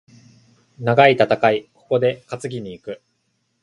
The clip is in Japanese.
長い戦い、ここで担ぎに行く。